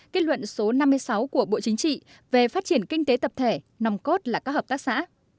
kết luận số năm mươi sáu của bộ chính trị về phát triển kinh tế tập thể nằm cốt là các hợp tác xã